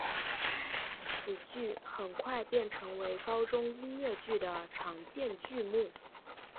此剧很快便成为高中音乐剧的常见剧目。